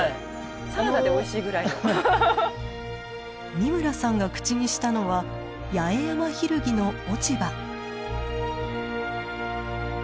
美村さんが口にしたのはヤエヤマヒルギの落ち葉。